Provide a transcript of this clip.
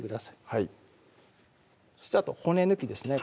はいそしてあと骨抜きですね